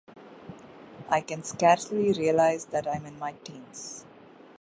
I can scarcely realize that I’m in my teens.